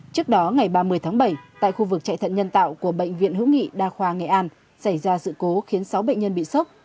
trước đó ngày ba mươi tháng bảy tại khu vực chạy thận nhân tạo của bệnh viện hữu nghị đa khoa nghệ an xảy ra sự cố khiến sáu bệnh nhân bị sốc